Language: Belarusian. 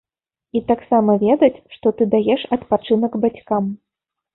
І таксама ведаць, што ты даеш адпачынак бацькам.